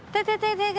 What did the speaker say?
thôi thôi thôi thôi